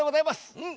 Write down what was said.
うん。